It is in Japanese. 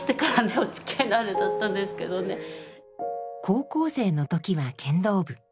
高校生の時は剣道部。